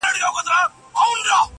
کروندې يې د کهاله څنگ ته لرلې،